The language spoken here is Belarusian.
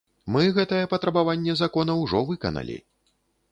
Мы гэтае патрабаванне закона ўжо выканалі.